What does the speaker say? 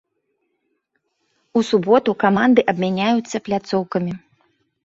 У суботу каманды абмяняюцца пляцоўкамі.